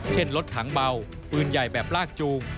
เช่นรถถังเบาปืนใหญ่แบบลากจูง